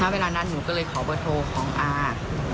ทั้งเวลานั้นหนูก็เลยขอโทรของอาท